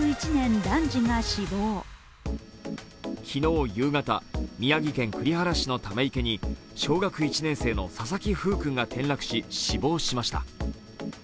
昨日夕方、宮城県栗原市のため池に小学１年生の佐々木楓君が転落し、死亡しました。